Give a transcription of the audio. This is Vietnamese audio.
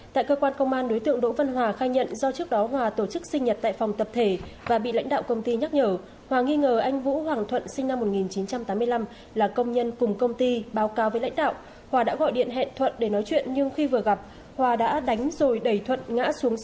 tại cơ quan công an đối tượng đỗ văn hòa khai nhận do trước đó hòa tổ chức sinh nhật tại phòng tập thể và bị lãnh đạo công ty nhắc nhở hòa nghi ngờ anh vũ hoàng thuận sinh năm một nghìn chín trăm tám mươi năm là công nhân cùng công ty báo cáo với lãnh đạo hòa đã gọi điện hẹn thuận để nói chuyện nhưng khi vừa gặp hòa đã đánh rồi đẩy thuận ngã xuống sông tại khu vực cảng của công ty xi măng thành thắng hậu quả làm anh thuận tử vong hiện vụ việc đang được điều tra làm rõ